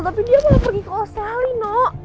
tapi dia malah pergi ke australia no